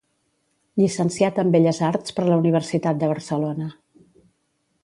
Llicenciat en Belles Arts per la Universitat de Barcelona.